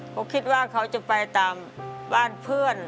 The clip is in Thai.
เขาคิดว่าเขาจะไปตามบ้านเพื่อน